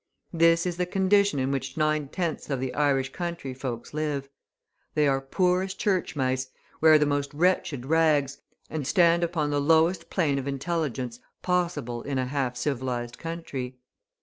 This is the condition in which nine tenths of the Irish country folks live. They are poor as church mice, wear the most wretched rags, and stand upon the lowest plane of intelligence possible in a half civilised country.